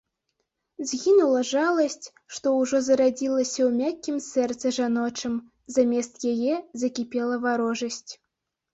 Згінула жаласць, што ўжо зарадзілася ў мяккім сэрцы жаночым, замест яе закіпела варожасць.